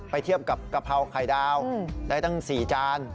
เทียบกับกะเพราไข่ดาวได้ตั้ง๔จาน